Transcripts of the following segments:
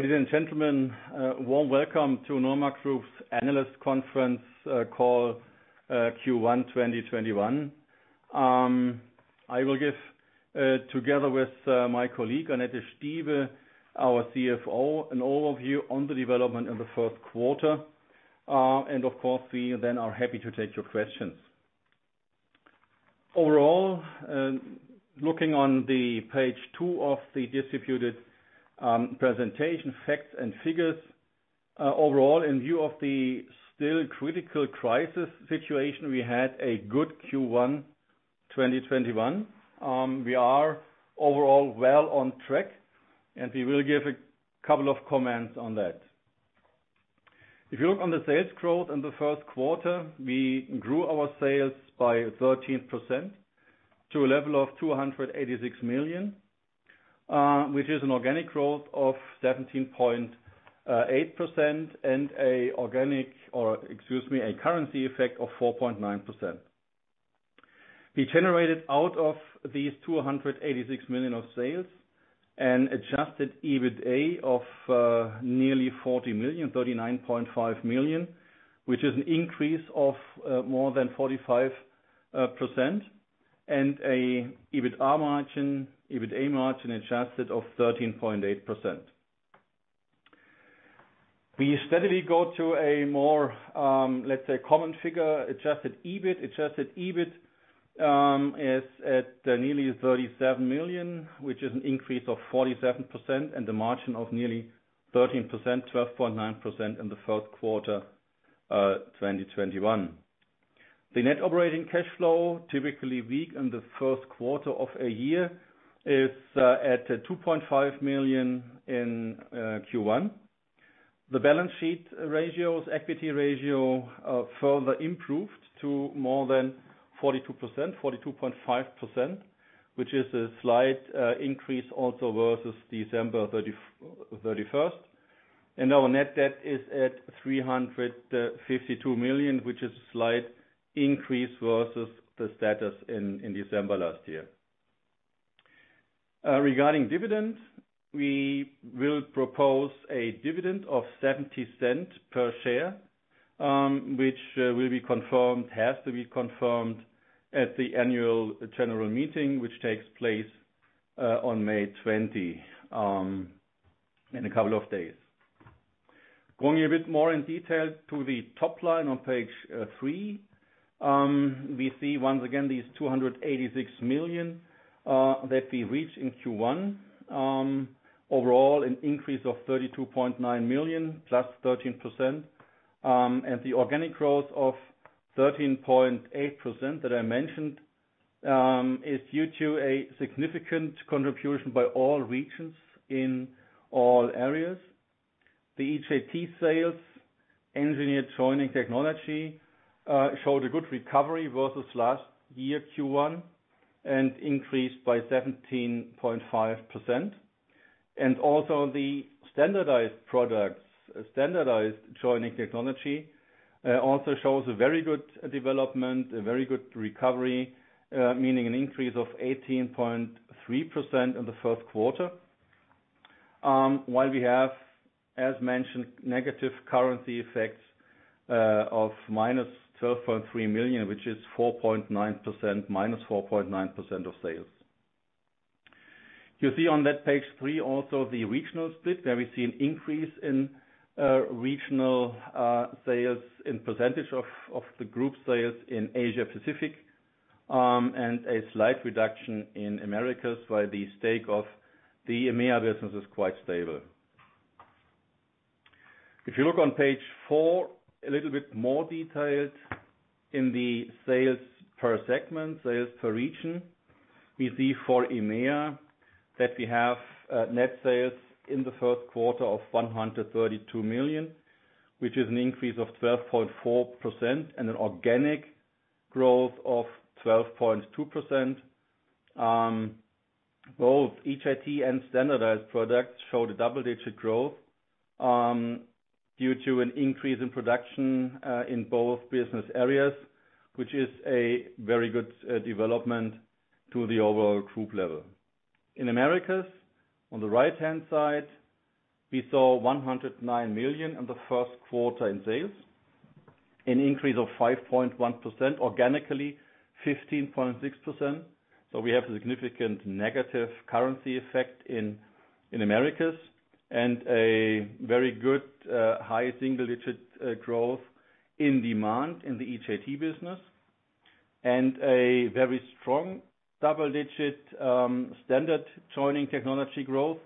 Ladies and gentlemen, warm welcome to Norma Group's Analyst Conference Call Q1 2021. I will give, together with my colleague, Annette Stieve, our CFO, an overview on the development in the first quarter. Of course, we then are happy to take your questions. Overall, looking on the page two of the distributed presentation facts and figures. Overall, in view of the still critical crisis situation, we had a good Q1 2021. We are overall well on track, and we will give a couple of comments on that. If you look on the sales growth in the first quarter, we grew our sales by 13% to a level of 286 million, which is an organic growth of 17.8% and a currency effect of 4.9%. We generated out of these 286 million of sales an adjusted EBITA of nearly 40 million, 39.5 million, which is an increase of more than 45%, and a EBITA margin, adjusted of 13.8%. We steadily go to a more, let's say, common figure, adjusted EBIT. Adjusted EBIT is at nearly 37 million, which is an increase of 47%, and the margin of nearly 13%, 12.9% in the first quarter 2021. The net operating cash flow, typically weak in the first quarter of a year, is at 2.5 million in Q1. The balance sheet ratios, equity ratio, further improved to more than 42%, 42.5%, which is a slight increase also versus December 31st. Our net debt is at 352 million, which is a slight increase versus the status in December last year. Regarding dividend, we will propose a dividend of 0.70 per share, which will be confirmed, has to be confirmed, at the annual general meeting, which takes place on May 20, in a couple of days. Going a bit more in detail to the top line on page three. We see once again, these 286 million, that we reached in Q1. Overall, an increase of 32.9 million, +13%, the organic growth of 13.8% that I mentioned, is due to a significant contribution by all regions in all areas. The EJT sales, Engineered Joining Technology, showed a good recovery versus last year Q1, and increased by 17.5%. Also the standardized products, Standardized Joining Technology, also shows a very good development, a very good recovery, meaning an increase of 18.3% in the first quarter. While we have, as mentioned, negative currency effects of -12.3 million, which is -4.9% of sales. You see on that page three, also the regional split, where we see an increase in regional sales in percentage of the group sales in Asia Pacific, and a slight reduction in Americas, while the stake of the EMEA business is quite stable. If you look on page four, a little bit more detailed in the sales per segment, sales per region. We see for EMEA that we have net sales in the first quarter of 132 million, which is an increase of 12.4% and an organic growth of 12.2%. Both EJT and standardized products show the double-digit growth, due to an increase in production, in both business areas, which is a very good development to the overall Norma Group level. In Americas, on the right-hand side, we saw 109 million in the first quarter in sales, an increase of 5.1%, organically 15.6%. We have a significant negative currency effect in Americas and a very good, high single-digit growth in demand in the EJT business, and a very strong double-digit, Standardized Joining Technology growth,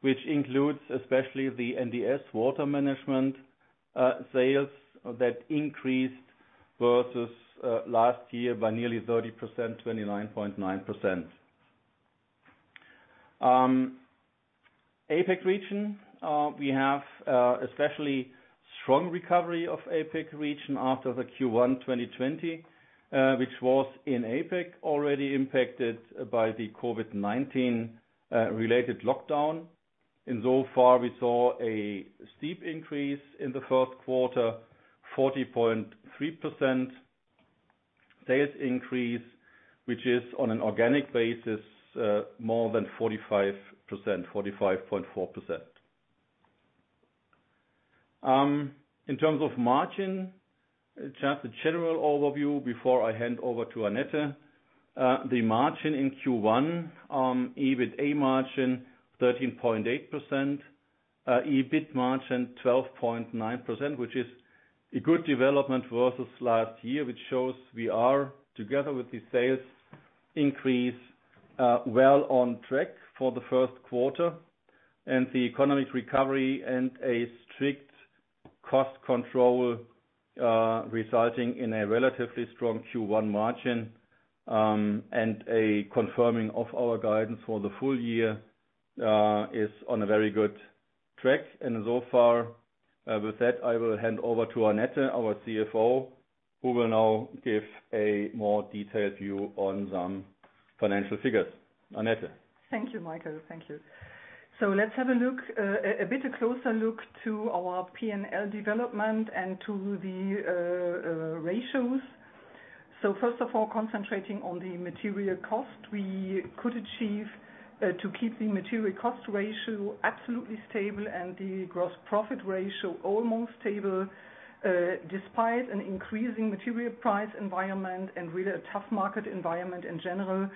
which includes especially the NDS water management sales that increased versus last year by nearly 30%, 29.9%. APAC region. We have especially strong recovery of APAC region after the Q1 2020, which was in APAC already impacted by the COVID-19 related lockdown. So far, we saw a steep increase in the first quarter, 40.3%. Sales increase, which is on an organic basis, more than 45%, 45.4%. In terms of margin, just a general overview before I hand over to Annette. The margin in Q1, EBITA margin 13.8%, EBIT margin 12.9%, which is a good development versus last year, which shows we are, together with the sales increase, well on track for the first quarter, and the economic recovery and a strict cost control, resulting in a relatively strong Q1 margin, and a confirming of our guidance for the full year is on a very good track. So far with that, I will hand over to Annette, our CFO, who will now give a more detailed view on some financial figures. Annette? Thank you, Michael. Let's have a bit closer look to our P&L development and to the ratios. First of all, concentrating on the material cost we could achieve, to keep the material cost ratio absolutely stable and the gross profit ratio almost stable, despite an increasing material price environment and really a tough market environment in general,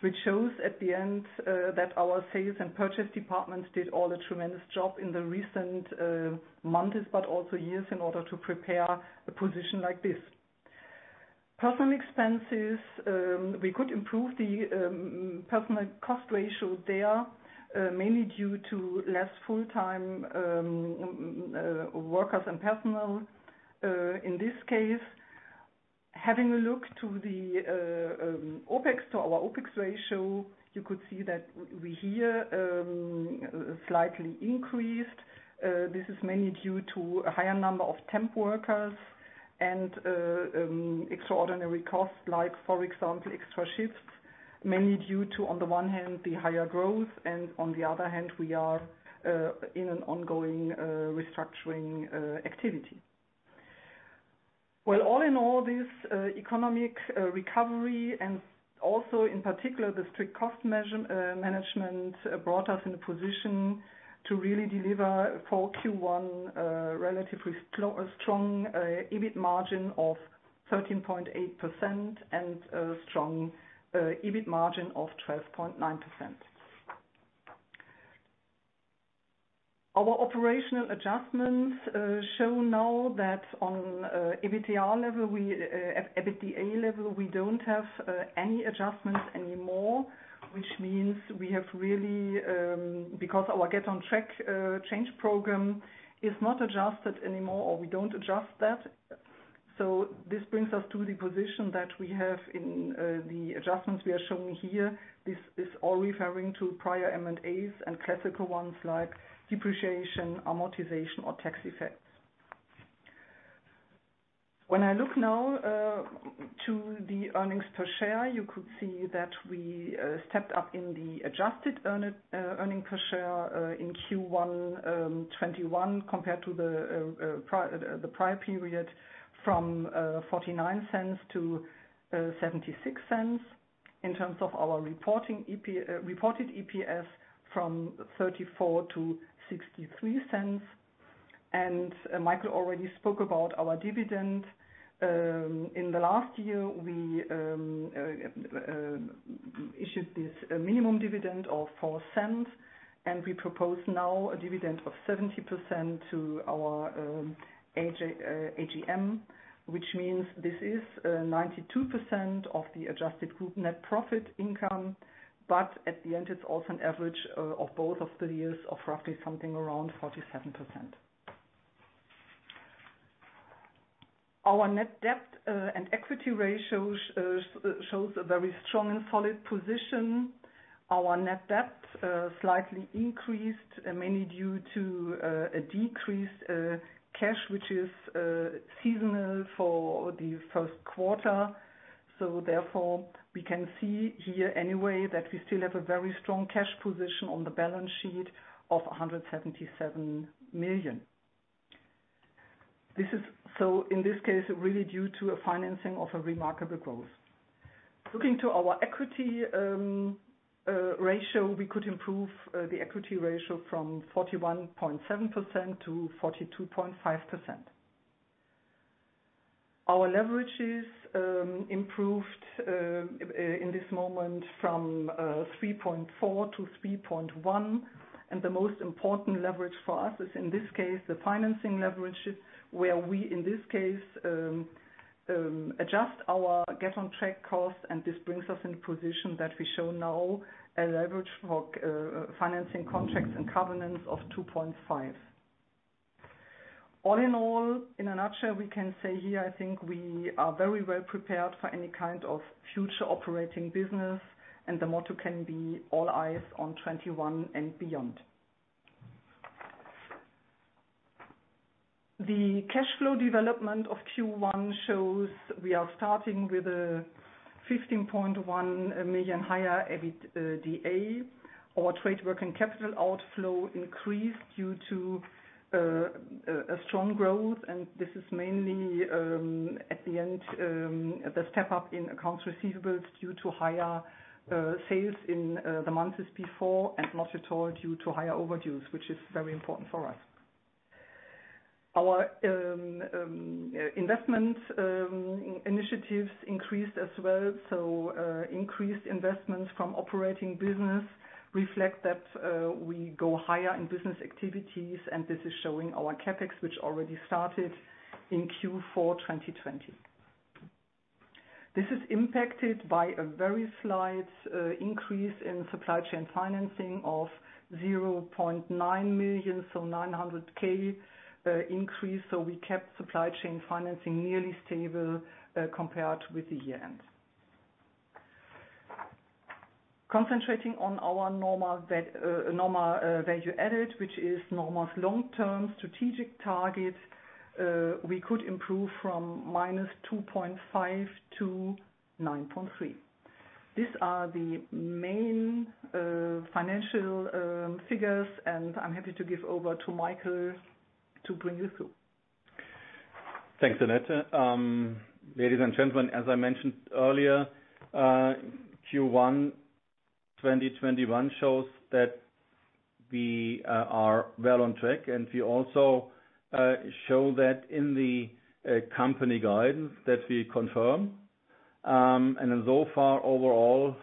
which shows at the end that our sales and purchase departments did all the tremendous job in the recent months, but also years in order to prepare a position like this. Personal expenses, we could improve the personal cost ratio there, mainly due to less full-time workers and personnel, in this case. Having a look to our OPEX ratio, you could see that we here slightly increased. This is mainly due to a higher number of temp workers and extraordinary costs like, for example, extra shifts, mainly due to, on the one hand, the higher growth, and on the other hand, we are in an ongoing restructuring activity. All in all, this economic recovery and also in particular the strict cost management, brought us in a position to really deliver for Q1 a relatively strong EBIT margin of 13.8% and a strong EBIT margin of 12.9%. Our operational adjustments show now that on EBITDA level, we don't have any adjustments anymore, which means we have really, because our Get on Track change program is not adjusted anymore or we don't adjust that. This brings us to the position that we have in the adjustments we are showing here. This is all referring to prior M&As and classical ones like depreciation, amortization or tax effects. When I look now to the earnings per share, you could see that we stepped up in the adjusted earnings per share, in Q1 2021 compared to the prior period from 0.49 to 0.76. In terms of our reported EPS from 0.34 to 0.63. Michael already spoke about our dividend. In the last year, we issued this minimum dividend of 0.04 and we propose now a dividend of 70% to our AGM, which means this is 92% of the adjusted group net profit income. At the end, it's also an average of both of the years of roughly something around 47%. Our net debt and equity ratio shows a very strong and solid position. Our net debt slightly increased, mainly due to a decreased cash, which is seasonal for the first quarter. Therefore, we can see here anyway that we still have a very strong cash position on the balance sheet of 177 million. In this case, really due to a financing of a remarkable growth. Looking to our equity ratio, we could improve the equity ratio from 41.7% to 42.5%. Our leverages improved in this moment from 3.4 to 3.1 and the most important leverage for us is, in this case, the financing leverage, where we, in this case, adjust our Get on Track cost and this brings us in a position that we show now a leverage for financing contracts and covenants of 2.5. All in all, in a nutshell, we can say here, I think we are very well prepared for any kind of future operating business and the motto can be, all eyes on 2021 and beyond. The cash flow development of Q1 shows we are starting with 15.1 million higher EBITDA. Our trade working capital outflow increased due to a strong growth. This is mainly at the end, the step up in accounts receivables due to higher sales in the months before and not at all due to higher overdues, which is very important for us. Our investment initiatives increased as well. Increased investment from operating business reflect that we go higher in business activities. This is showing our CapEx, which already started in Q4 2020. This is impacted by a very slight increase in supply chain financing of 0.9 million, 900,000 increase. We kept supply chain financing nearly stable compared with the year end. Concentrating on our NORMA Value Added, which is Norma's long-term strategic target, we could improve from -2.5 to 9.3. These are the main financial figures. I'm happy to give over to Michael to bring you through. Thanks, Annette. Ladies and gentlemen, as I mentioned earlier, Q1 2021 shows that we are well on track. We also show that in the company guidance that we confirm. So far overall,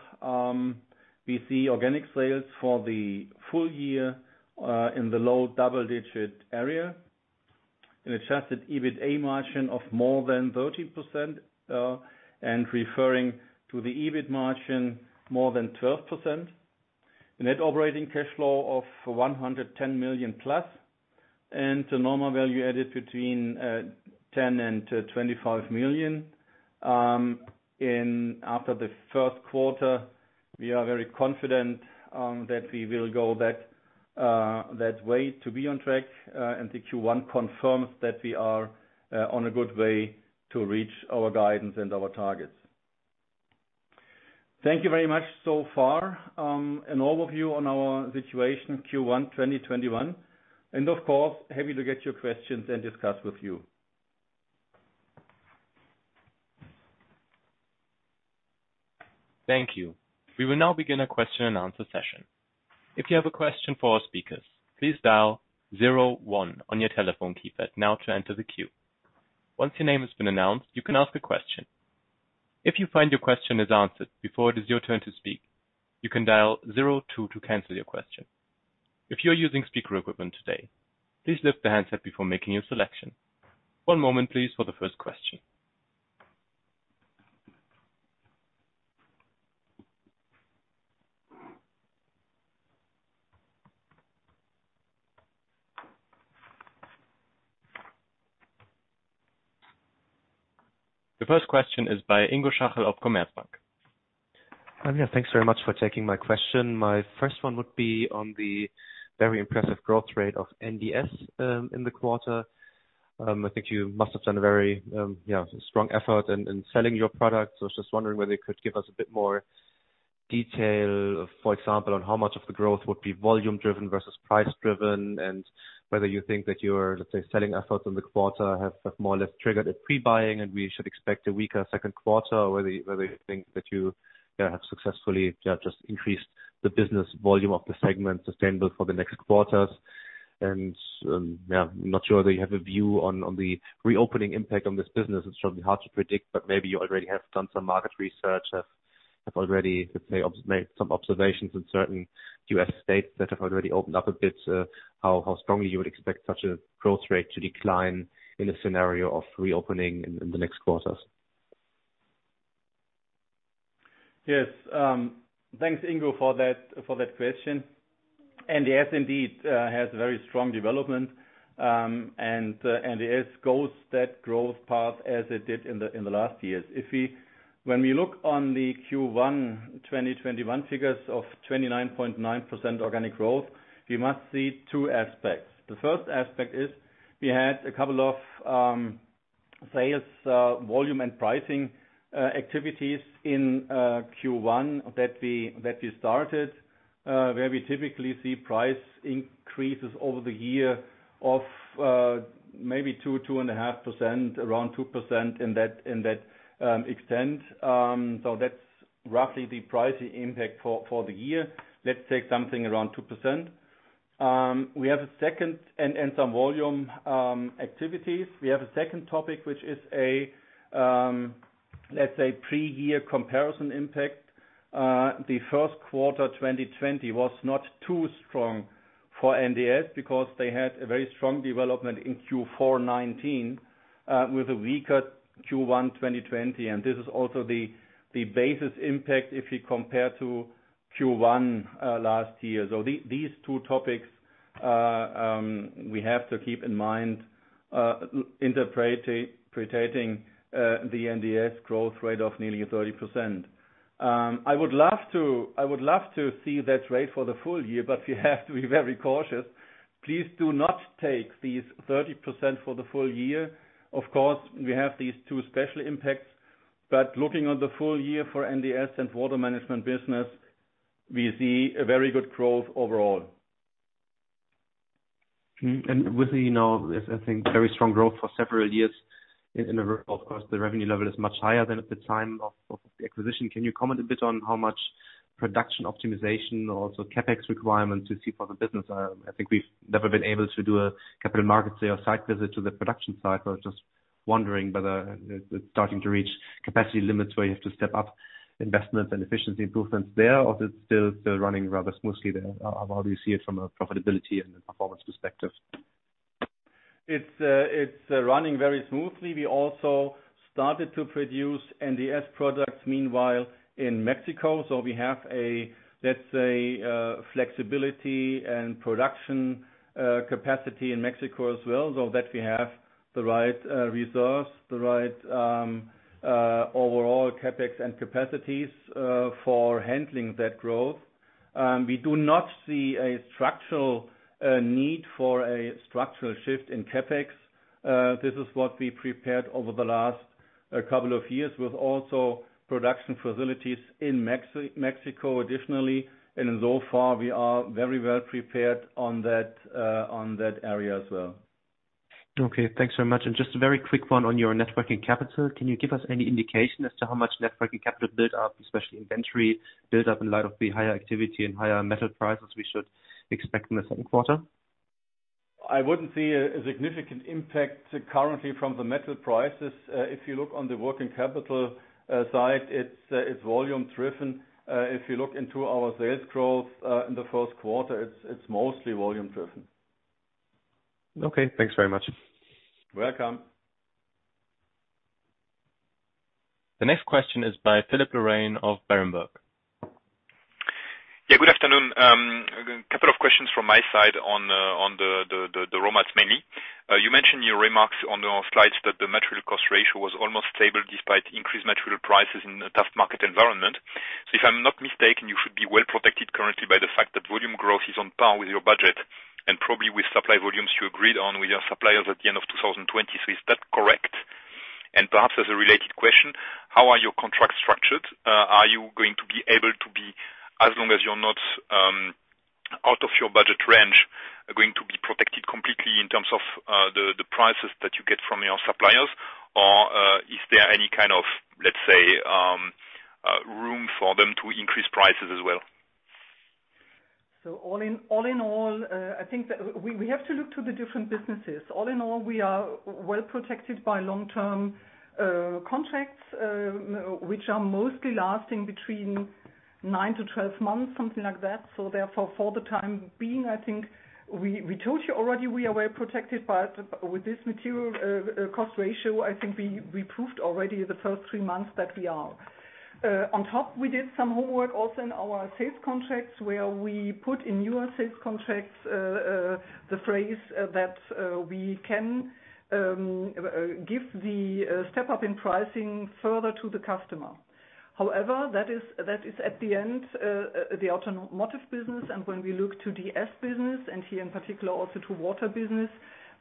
we see organic sales for the full year, in the low double digit area, an adjusted EBITDA margin of more than 13%. Referring to the EBIT margin, more than 12%. Net operating cash flow of 110 million plus. A NORMA Value Added between 10 million and 25 million. After the first quarter, we are very confident that we will go that way to be on track. The Q1 confirms that we are on a good way to reach our guidance and our targets. Thank you very much so far. An overview on our situation, Q1 2021. Of course, happy to get your questions and discuss with you. Thank you. We will now begin a question and answer session. If you have a question for our speakers, please dial zero one on your telephone keypad now to enter the queue. Once your name has been announced, you can ask a question. If you find your question is answered before it is your turn to speak, you can dial zero two to cancel your question. If you are using speaker equipment today, please lift the handset before making your selection. One moment, please, for the first question. The first question is by Ingo Schachel of Commerzbank. Yeah, thanks very much for taking my question. My first one would be on the very impressive growth rate of NDS in the quarter. I was just wondering whether you could give us a bit more detail, for example, on how much of the growth would be volume driven versus price driven? Whether you think that your, let's say, selling efforts in the quarter have more or less triggered a pre-buying and we should expect a weaker second quarter, or whether you think that you have successfully just increased the business volume of the segment sustainable for the next quarters? I'm not sure that you have a view on the reopening impact on this business. It's probably hard to predict, but maybe you already have done some market research, have already, let's say, made some observations in certain U.S. states that have already opened up a bit, how strongly you would expect such a growth rate to decline in a scenario of reopening in the next quarters? Yes. Thanks, Ingo, for that question. NDS indeed has a very strong development. NDS goes that growth path as it did in the last years. When we look on the Q1 2021 figures of 29.9% organic growth, we must see two aspects. The first aspect is we had a couple of sales volume and pricing activities in Q1 that we started, where we typically see price increases over the year of maybe 2%-2.5%, around 2% in that extent. That's roughly the pricing impact for the year. Let's take something around 2%, and some volume activities. We have a second topic, which is a, let's say, pre-year comparison impact. The first quarter 2020 was not too strong for NDS because they had a very strong development in Q4 2019, with a weaker Q1 2020. This is also the basis impact if you compare to Q1 last year. These two topics, we have to keep in mind, interpreting the NDS growth rate of nearly 30%. I would love to see that rate for the full year, we have to be very cautious. Please do not take these 30% for the full year. Of course, we have these two special impacts. Looking at the full year for NDS and water management business, we see a very good growth overall. With the, I think, very strong growth for several years. Of course, the revenue level is much higher than at the time of the acquisition. Can you comment a bit on how much production optimization, also CapEx requirements you see for the business? I think we've never been able to do a capital markets day or site visit to the production site. I was just wondering whether it's starting to reach capacity limits where you have to step up investments and efficiency improvements there, or is it still running rather smoothly there? How do you see it from a profitability and a performance perspective? It's running very smoothly. We also started to produce NDS products meanwhile in Mexico. We have, let's say, flexibility and production capacity in Mexico as well, so that we have the right resource, the right overall CapEx and capacities for handling that growth. We do not see a structural need for a structural shift in CapEx. This is what we prepared over the last couple of years with also production facilities in Mexico, additionally. Insofar, we are very well prepared on that area as well. Okay, thanks very much. Just a very quick one on your net working capital. Can you give us any indication as to how much net working capital build up, especially inventory build up in light of the higher activity and higher metal prices we should expect in the second quarter? I wouldn't see a significant impact currently from the metal prices. If you look on the working capital side, it's volume driven. If you look into our sales growth in the first quarter, it's mostly volume driven. Okay, thanks very much. Welcome. The next question is by Philippe Lorrain of Berenberg. Yeah, good afternoon. A couple of questions from my side on the raw mats, mainly. You mentioned your remarks on the slides that the material cost ratio was almost stable despite increased material prices in a tough market environment. If I'm not mistaken, you should be well protected currently by the fact that volume growth is on par with your budget and probably with supply volumes you agreed on with your suppliers at the end of 2020. Is that correct? Perhaps as a related question: how are your contracts structured? Are you going to be able to be, as long as you're not out of your budget range, going to be protected completely in terms of the prices that you get from your suppliers? Is there any kind of, let's say, room for them to increase prices as well? All in all, I think that we have to look to the different businesses. All in all, we are well protected by long-term contracts, which are mostly lasting between 9-12 months, something like that. Therefore, for the time being, I think we told you already we are well protected. With this material cost ratio, I think we proved already the first three months that we are. On top, we did some homework also in our sales contracts where we put in newer sales contracts the phrase that we can give the step up in pricing further to the customer. However, that is at the end the automotive business. When we look to NDS business and here in particular also to water business,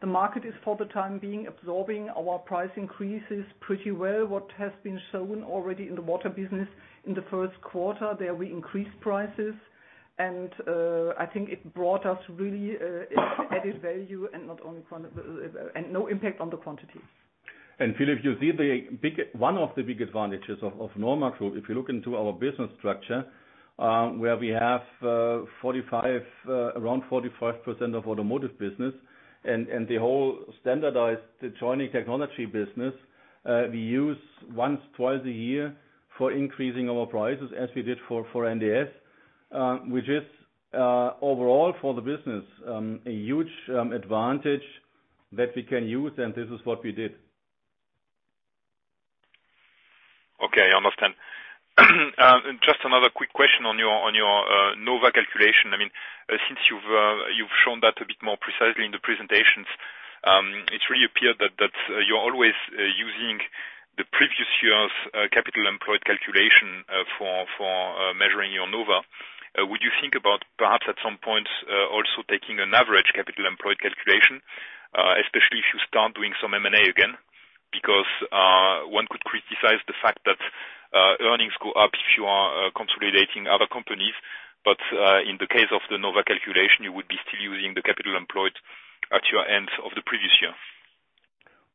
the market is for the time being absorbing our price increases pretty well. What has been shown already in the water business in the first quarter. There we increased prices and I think it brought us really added value and no impact on the quantities. Philippe, you see one of the big advantages of Norma Group, if you look into our business structure, where we have around 45% of automotive business and the whole Standardized Joining Technology business. We use once, twice a year for increasing our prices as we did for NDS. Which is overall for the business, a huge advantage that we can use, and this is what we did. Okay, I understand. Just another quick question on your NOVA calculation. Since you've shown that a bit more precisely in the presentations, it really appeared that you're always using the previous year's capital employed calculation for measuring your NOVA. Would you think about perhaps at some point, also taking an average capital employed calculation, especially if you start doing some M&A again? Because one could criticize the fact that earnings go up if you are consolidating other companies. In the case of the NOVA calculation, you would be still using the capital employed at your end of the previous year.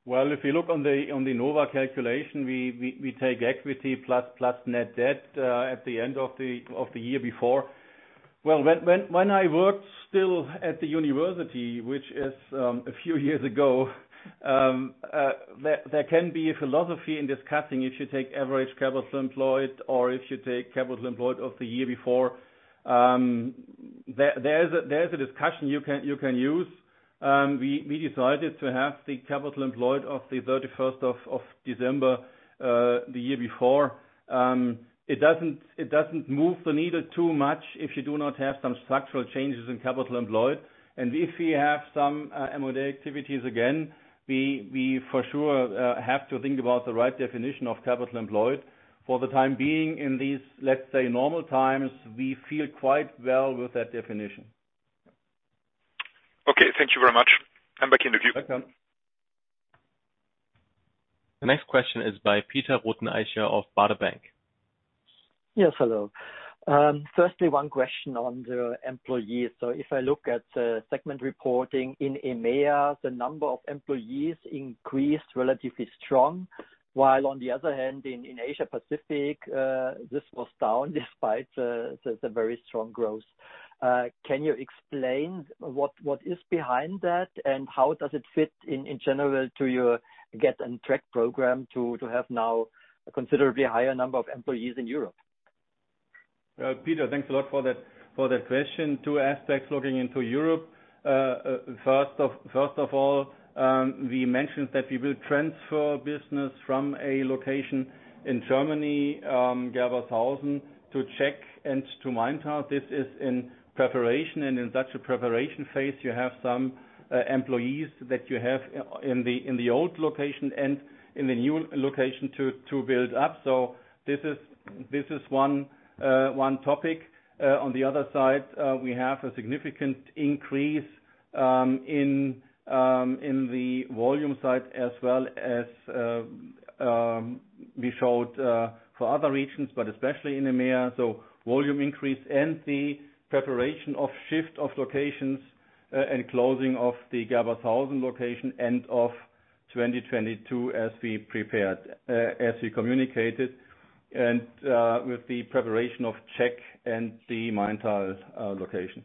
If you look on the NOVA calculation, we take equity plus net debt at the end of the year before. When I worked still at the university, which is a few years ago, there can be a philosophy in discussing if you take average capital employed or if you take capital employed of the year before. There is a discussion you can use. We decided to have the capital employed of the 31st of December the year before. It doesn't move the needle too much if you do not have some structural changes in capital employed. If we have some M&A activities again, we for sure have to think about the right definition of capital employed. For the time being in these, let's say, normal times, we feel quite well with that definition. Okay, thank you very much. I'm back in the queue. Welcome. The next question is by Peter Rothenaicher of Baader Bank. Yes, hello. Firstly, one question on the employees. If I look at segment reporting in EMEA, the number of employees increased relatively strong, while on the other hand, in Asia Pacific, this was down despite the very strong growth. Can you explain what is behind that and how does it fit in general to your Get on Track program to have now a considerably higher number of employees in Europe? Peter, thanks a lot for that question. Two aspects looking into Europe. First of all, we mentioned that we will transfer business from a location in Germany, Gerbershausen, to Czech and to Maintal. This is in preparation, and in such a preparation phase, you have some employees that you have in the old location and in the new location to build up. This is one topic. On the other side, we have a significant increase in the volume side as well as we showed for other regions, but especially in EMEA. Volume increase and the preparation of shift of locations and closing of the Gerbershausen location end of 2022 as we communicated, and with the preparation of Czech and the Maintal location.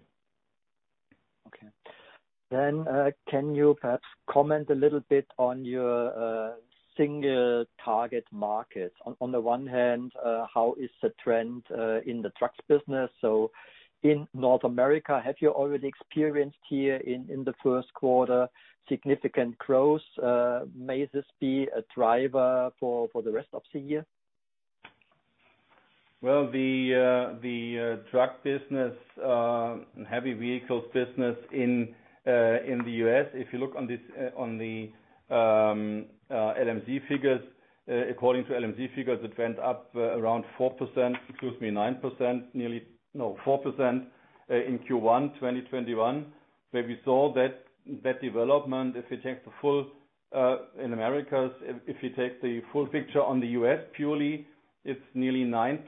Okay. Can you perhaps comment a little bit on your single target markets? On the one hand, how is the trend in the trucks business? In North America, have you already experienced here in the first quarter, significant growth? May this be a driver for the rest of the year? Well, the truck business, heavy vehicles business in the U.S., if you look on the LMC figures, according to LMC figures, it went up around 4%, excuse me, 9%, 4% in Q1 2021, where we saw that development. In Americas, if you take the full picture on the U.S. purely, it's nearly 9%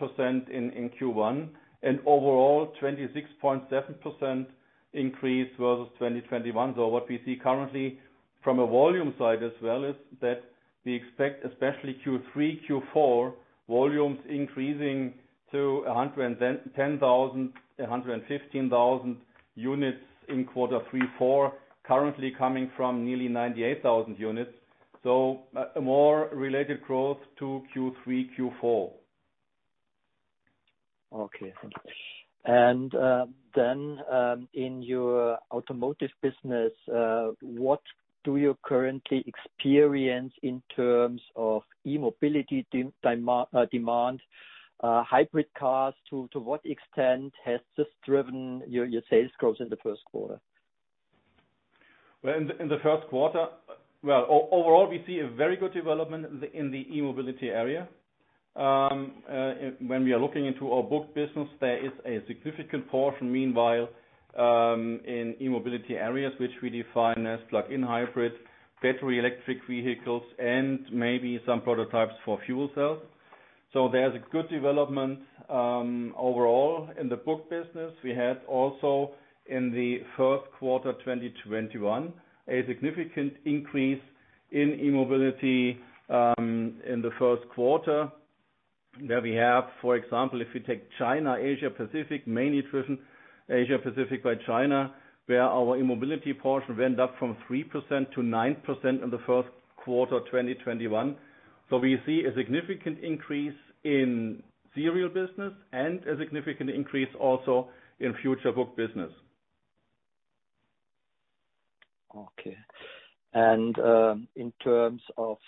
in Q1, and overall, 26.7% increase versus 2021. What we see currently from a volume side as well is that we expect, especially Q3, Q4, volumes increasing to 110,000, 115,000 units in quarter three, four, currently coming from nearly 98,000 units. More related growth to Q3, Q4. Okay, thank you. Then in your automotive business, what do you currently experience in terms of e-mobility demand, hybrid cars? To what extent has this driven your sales growth in the first quarter? In the first quarter, overall, we see a very good development in the e-mobility area. When we are looking into our book business, there is a significant portion, meanwhile, in e-mobility areas, which we define as plug-in hybrid, battery electric vehicles, and maybe some prototypes for fuel cells. There's a good development overall in the book business. We had also in the first quarter 2021, a significant increase in e-mobility in the first quarter, where we have, for example, if you take China, Asia Pacific, mainly driven Asia Pacific by China, where our e-mobility portion went up from 3% to 9% in the first quarter 2021. We see a significant increase in serial business and a significant increase also in future book business. Okay. In terms of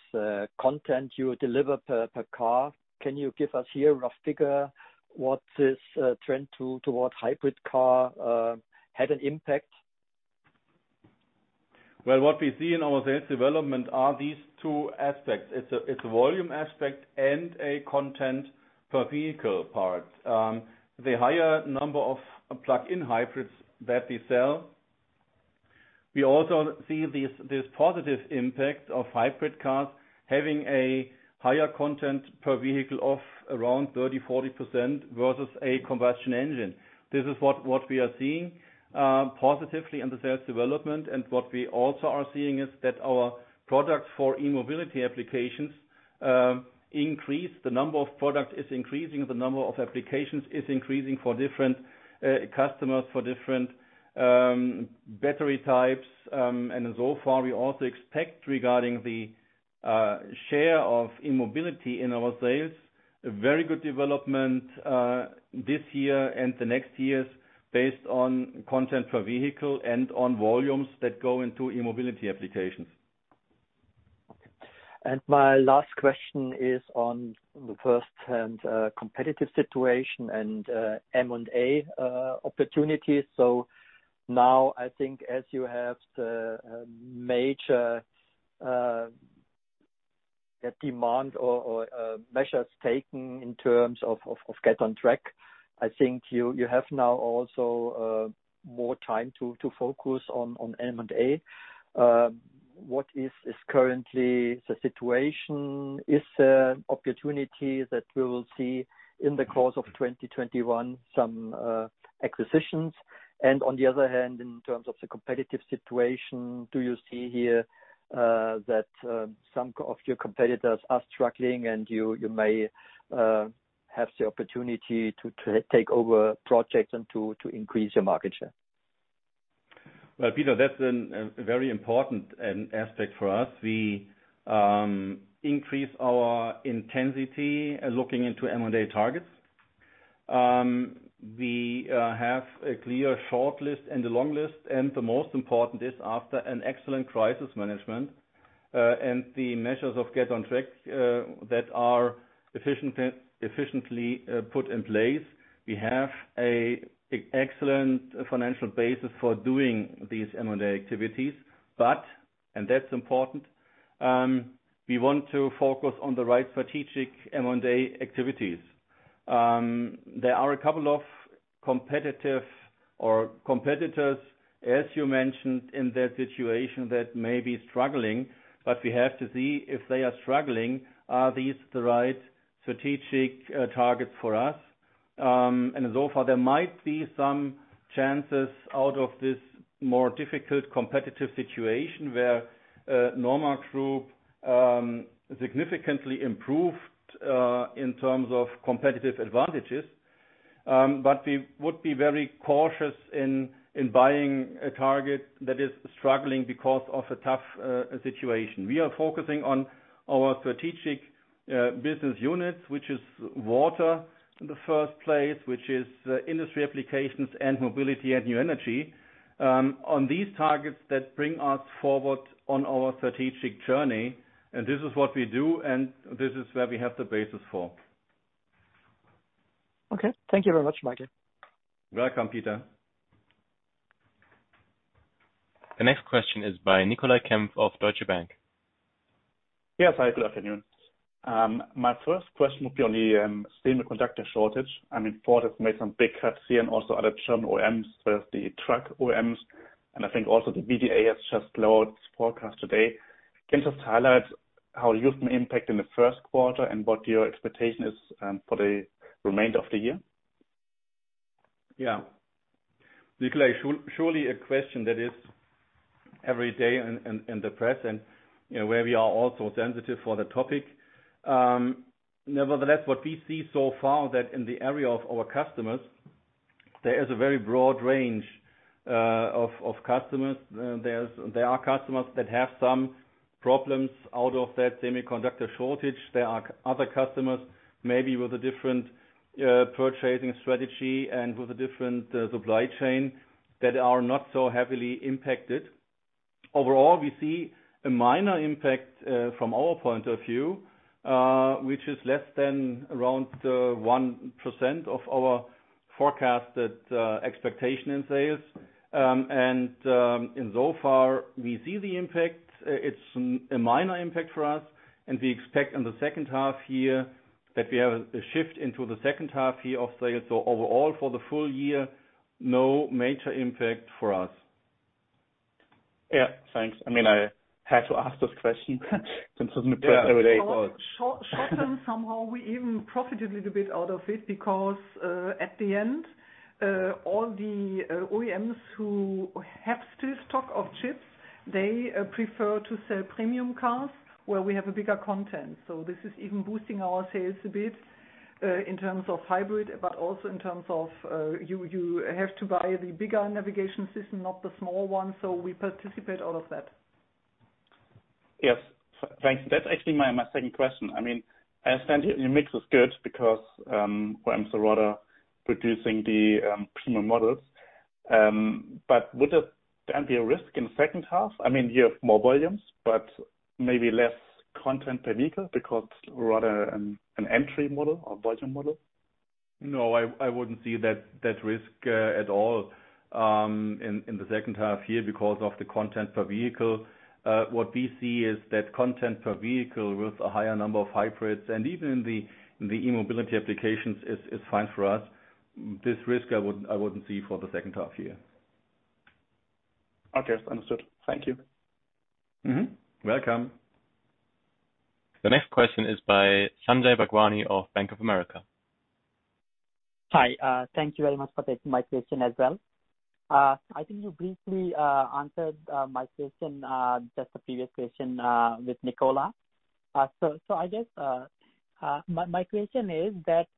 content you deliver per car, can you give us here a rough figure? What is trend towards hybrid car had an impact? Well, what we see in our sales development are these two aspects. It's a volume aspect and a content per vehicle part. The higher number of plug-in hybrids that we sell, we also see this positive impact of hybrid cars having a higher content per vehicle of around 30%-40% versus a combustion engine. This is what we are seeing positively in the sales development. What we also are seeing is that our products for e-mobility applications increase. The number of product is increasing, the number of applications is increasing for different customers, for different battery types. Insofar, we also expect, regarding the share of e-mobility in our sales, a very good development this year and the next years based on content per vehicle and on volumes that go into e-mobility applications. My last question is on the first competitive situation and M&A opportunities. Now I think as you have the major measures taken in terms of Get on Track. I think you have now also more time to focus on M&A. What is currently the situation? Is there an opportunity that we will see in the course of 2021 some acquisitions? On the other hand, in terms of the competitive situation, do you see here that some of your competitors are struggling and you may have the opportunity to take over projects and to increase your market share? Well, Peter, that's a very important aspect for us. We increase our intensity looking into M&A targets. We have a clear short list and a long list, and the most important is after an excellent crisis management, and the measures of Get on Track, that are efficiently put in place. That's important, we have an excellent financial basis for doing these M&A activities. That's important, we want to focus on the right strategic M&A activities. There are a couple of competitive or competitors, as you mentioned, in their situation that may be struggling, but we have to see if they are struggling. Are these the right strategic targets for us? Insofar, there might be some chances out of this more difficult competitive situation where Norma Group significantly improved in terms of competitive advantages. We would be very cautious in buying a target that is struggling because of a tough situation. We are focusing on our strategic business units, which is water in the first place, which is industry applications and mobility and new energy, on these targets that bring us forward on our strategic journey. This is what we do, and this is where we have the basis for. Okay. Thank you very much, Michael. You're welcome, Peter. The next question is by Nicolai Kempf of Deutsche Bank. Yes. Hi, good afternoon. My first question would be on the semiconductor shortage. I mean, Ford has made some big cuts here and also other German OEMs, there's the truck OEMs, and I think also the VDA has just lowered its forecast today. Can you just highlight how you've been impacted in the first quarter and what your expectation is for the remainder of the year? Yeah. Nicolai, surely a question that is every day in the press and where we are also sensitive for the topic. Nevertheless, what we see so far that in the area of our customers, there is a very broad range of customers. There are customers that have some problems out of that semiconductor shortage. There are other customers, maybe with a different purchasing strategy and with a different supply chain, that are not so heavily impacted. Overall, we see a minor impact, from our point of view, which is less than around 1% of our forecasted expectation in sales. Insofar we see the impact. It's a minor impact for us, and we expect in the second half year that we have a shift into the second half year of sales. Overall, for the full year, no major impact for us. Yeah. Thanks. I had to ask this question since it's in the press every day. Short-term, somehow we even profited a little bit out of it because, at the end, all the OEMs who have still stock of chips, they prefer to sell premium cars where we have a bigger content. This is even boosting our sales a bit, in terms of hybrid, but also in terms of, you have to buy the bigger navigation system, not the small one. We participate out of that. Yes. Thanks. That's actually my second question. I understand your mix is good because OEMs are rather producing the premium models. Would there then be a risk in the second half? You have more volumes, but maybe less content per vehicle because rather an entry model or volume model? No, I wouldn't see that risk at all, in the second half year because of the content per vehicle. What we see is that content per vehicle with a higher number of hybrids and even in the e-mobility applications is fine for the first. This risk I wouldn't see for the second half year. Okay. Understood. Thank you. Mm-hmm. Welcome. The next question is by Sanjay Bhagwani of Bank of America. Hi. Thank you very much for taking my question as well. I think you briefly answered my question, just the previous question, with Nicolai. I guess, my question is that,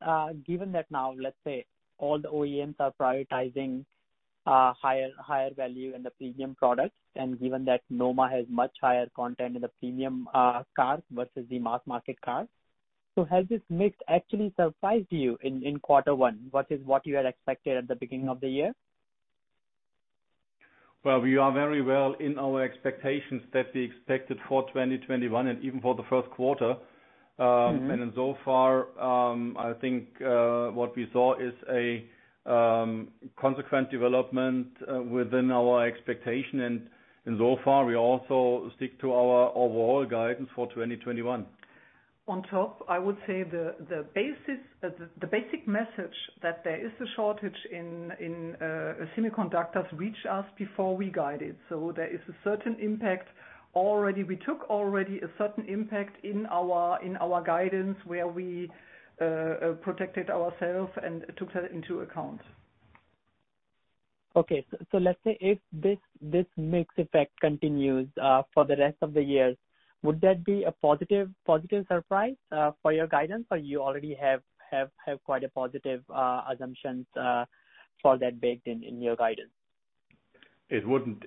given that now, let's say all the OEMs are prioritizing higher value in the premium products, and given that Norma has much higher content in the premium cars versus the mass market cars. Has this mix actually surprised you in quarter one versus what you had expected at the beginning of the year? Well, we are very well in our expectations that we expected for 2021 and even for the first quarter. Insofar, I think, what we saw is a consequent development within our expectation. Insofar, we also stick to our overall guidance for 2021. I would say the basic message that there is a shortage in semiconductors reached us before we guided. There is a certain impact already. We took already a certain impact in our guidance where we protected ourselves and took that into account. Okay. Let's say if this mix effect continues for the rest of the year, would that be a positive surprise for your guidance, or you already have quite a positive assumptions for that baked in your guidance? It wouldn't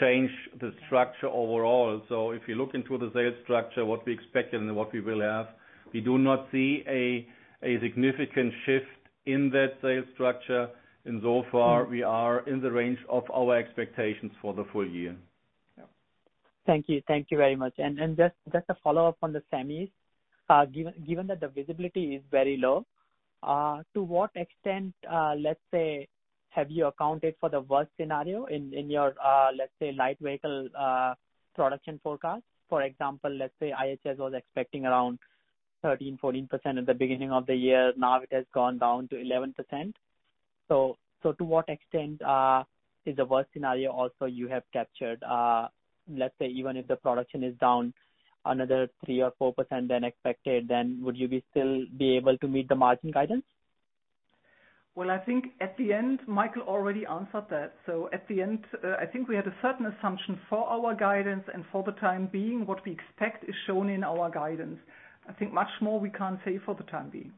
change the structure overall. If you look into the sales structure, what we expected and what we will have, we do not see a significant shift in that sales structure. Insofar, we are in the range of our expectations for the full year. Thank you very much. Just a follow-up on the semis. Given that the visibility is very low, to what extent, let's say, have you accounted for the worst scenario in your light vehicle production forecast? For example, let's say IHS was expecting around 13%, 14% at the beginning of the year. Now it has gone down to 11%. To what extent is the worst scenario also you have captured? Let's say even if the production is down another 3% or 4% than expected, then would you be still be able to meet the margin guidance? Well, I think at the end, Michael already answered that. At the end, I think we had a certain assumption for our guidance and for the time being, what we expect is shown in our guidance. I think much more we can't say for the time being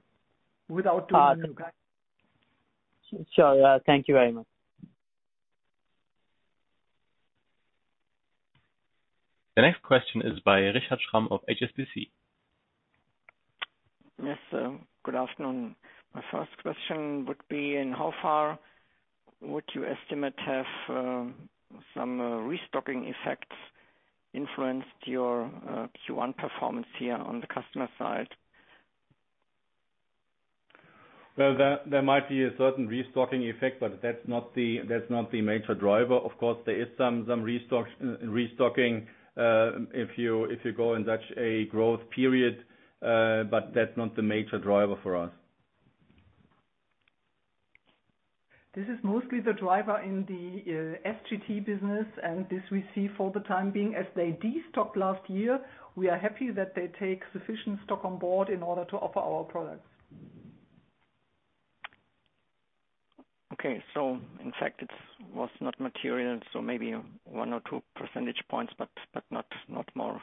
without doing a new guidance. Sure. Yeah. Thank you very much. The next question is by Richard Schramm of HSBC. Yes. Good afternoon. My first question would be in how far would you estimate have some restocking effects influenced your Q1 performance here on the customer side? Well, there might be a certain restocking effect, but that's not the major driver. Of course, there is some restocking if you go in such a growth period, but that's not the major driver for us. This is mostly the driver in the SJT business. This we see for the time being as they de-stocked last year. We are happy that they take sufficient stock on board in order to offer our products. Okay. In fact, it was not material, so maybe one or two percentage points, but not more.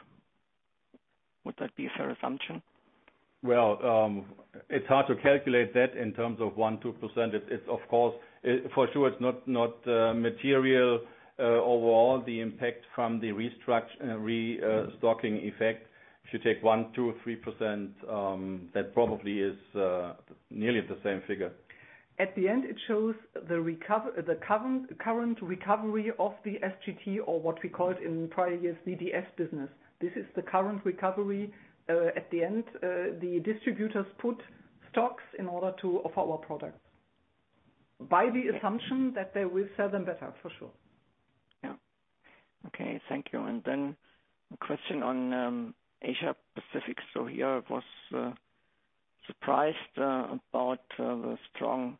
Would that be a fair assumption? Well, it's hard to calculate that in terms of 1%, 2%. For sure it's not material overall, the impact from the restocking effect. If you take 1%, 2%, 3%, that probably is nearly the same figure. At the end, it shows the current recovery of the SJT or what we called in prior years DS business. This is the current recovery. At the end, the distributors put stocks in order to offer our products by the assumption that they will sell them better, for sure. Yeah. Okay. Thank you. A question on Asia-Pacific. Here I was surprised about the strong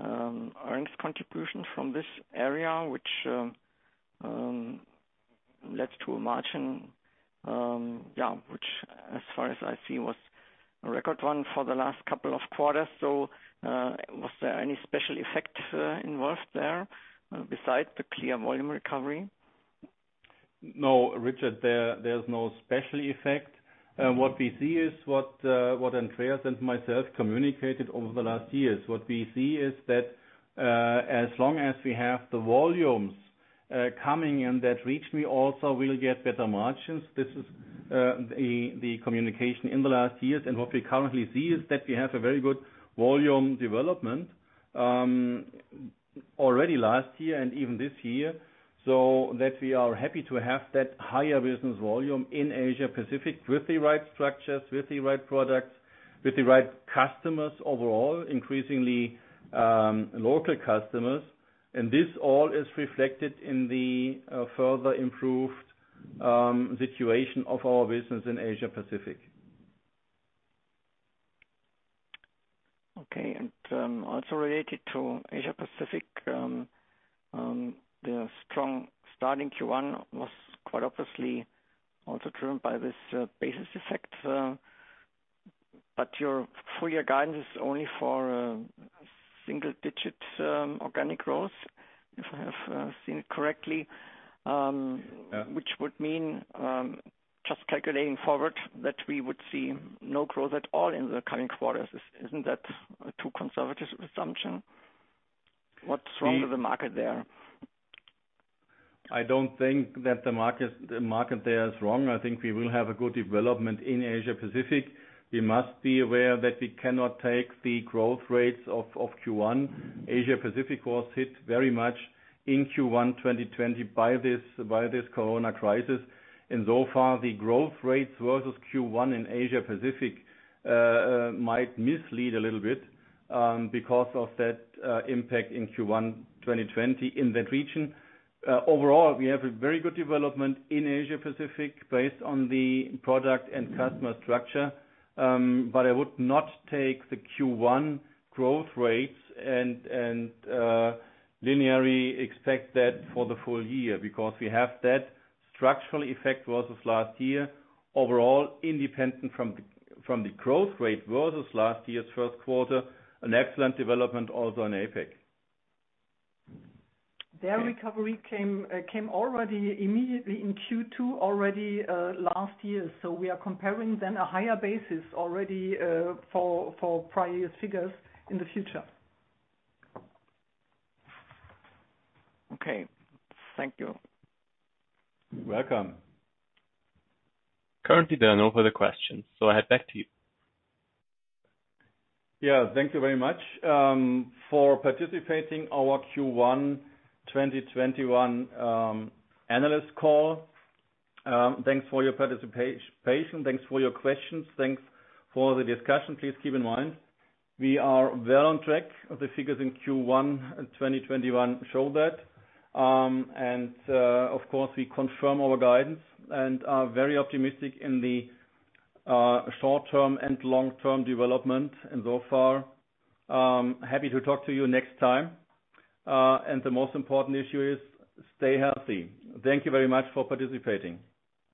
earnings contribution from this area, which led to a margin, which as far as I see, was a record one for the last couple of quarters. Was there any special effect involved there besides the clear volume recovery? No, Richard. There's no special effect. What we see is what Andreas and myself communicated over the last years. What we see is that, as long as we have the volumes coming in that reach me also, we'll get better margins. This is the communication in the last years. What we currently see is that we have a very good volume development, already last year and even this year, so that we are happy to have that higher business volume in Asia-Pacific with the right structures, with the right products, with the right customers overall, increasingly local customers. This all is reflected in the further improved situation of our business in Asia-Pacific. Okay. Also related to Asia-Pacific, the strong starting Q1 was quite obviously also driven by this basis effect, your full year guidance is only for single digit organic growth, if I have seen it correctly. Which would mean, just calculating forward, that we would see no growth at all in the coming quarters. Isn't that a too conservative assumption? What's wrong with the market there? I don't think that the market there is wrong. I think we will have a good development in Asia-Pacific. We must be aware that we cannot take the growth rates of Q1. Asia-Pacific was hit very much in Q1 2020 by this COVID crisis. So far, the growth rates versus Q1 in Asia-Pacific might mislead a little bit, because of that impact in Q1 2020 in that region. Overall, we have a very good development in Asia-Pacific based on the product and customer structure. I would not take the Q1 growth rates and linearly expect that for the full year, because we have that structural effect versus last year. Overall, independent from the growth rate versus last year's first quarter, an excellent development also in APAC. Their recovery came already immediately in Q2 already last year. We are comparing then a higher basis already, for prior figures in the future. Okay. Thank you. You're welcome. Currently, there are no further questions, so I head back to you. Yeah. Thank you very much, for participating our Q1 2021 analyst call. Thanks for your participation. Thanks for your questions. Thanks for the discussion. Please keep in mind, we are well on track. The figures in Q1 2021 show that. Of course, we confirm our guidance and are very optimistic in the short-term and long-term development and so far. Happy to talk to you next time. The most important issue is stay healthy. Thank you very much for participating.